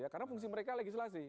karena fungsi mereka legislasi